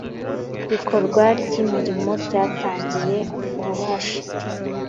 bikorwa ry imirimo yatangiye ububasha